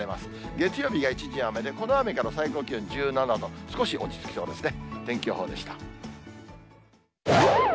月曜日が一時雨で、この雨から最高気温１７度、少し落ち着きそうですね。